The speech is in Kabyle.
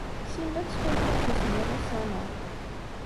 S immal ttḥulfuɣ s usemmiḍ ussan-a.